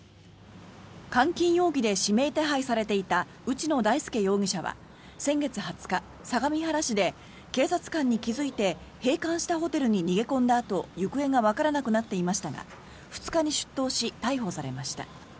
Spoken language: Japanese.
監禁容疑で指名手配されていた内野大輔容疑者は先月２０日、相模原市で警察官に気付いて閉館したホテルに逃げ込んだあと行方がわからなくなっていましたが２日に出頭し逮捕されました。